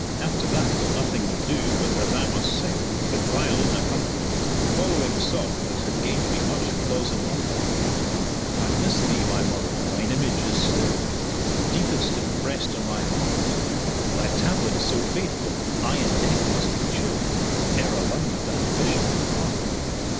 After that nothing would do but that I must sing, with violin accompaniment, the following song that had gained me much applause in London: I miss thee, my mother, thine image is still The deepest impressed on my heart; Thy tablet so faithful, I in death must be chilled, 'Ere a line of that vision depart.